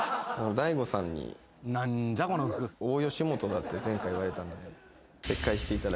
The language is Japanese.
だって前回言われたので。